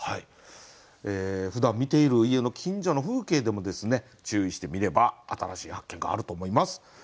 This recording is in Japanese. ふだん見ている家の近所の風景でもですね注意して見れば新しい発見があると思います。